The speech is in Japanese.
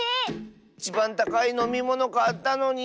いちばんたかいのみものかったのに。